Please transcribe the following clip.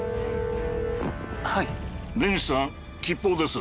はい。